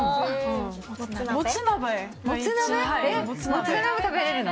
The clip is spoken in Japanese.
もつ鍋も食べられるの？